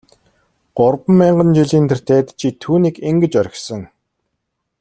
Гурван мянган жилийн тэртээд чи түүнийг ингэж орхисон.